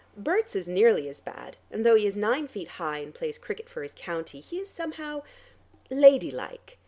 Berts is nearly as bad, and though he is nine feet high and plays cricket for his county, he is somehow ladylike.